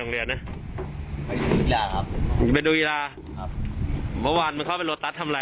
เลทยาไปมั้ย